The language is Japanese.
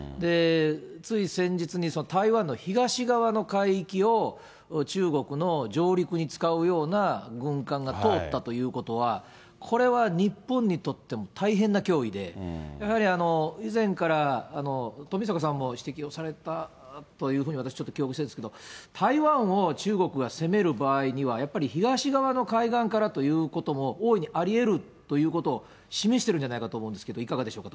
つい先日に台湾の東側の海域を中国の上陸に使うような軍艦が通ったということは、これは日本にとっても大変な脅威で、やはり以前から、富坂さんも指摘をされたというふうに私ちょっと記憶してるんですけど、台湾を中国が攻める場合には、やっぱり東側の海岸からということも大いにありえるということを示してるんじゃないかと思うんですけど、いかがでしょうか、